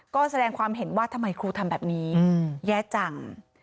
ก็แสดงความเห็นว่าทำไมครูทำแบบนี้แย่จัง